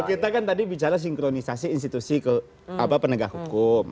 kita kan tadi bicara sinkronisasi institusi ke penegak hukum